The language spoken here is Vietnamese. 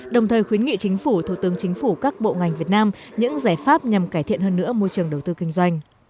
đồng thời khuyến nghị chính phủ thủ tướng chính phủ các bộ ngành việt nam những giải pháp nhằm cải thiện hơn nữa môi trường đầu tư kinh doanh